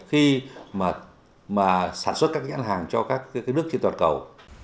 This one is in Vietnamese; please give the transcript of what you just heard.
khi mà sản xuất các nhãn hàng cho các nước trên toàn cầu